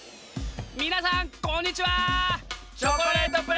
みなさんこんにちは！